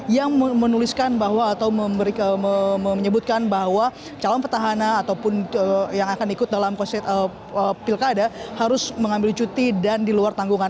yang menuliskan bahwa atau menyebutkan bahwa calon petahana ataupun yang akan ikut dalam pilkada harus mengambil cuti dan di luar tanggungan